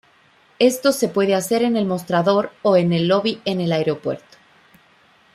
Esto se puede hacer en el mostrador o en el lobby en el aeropuerto.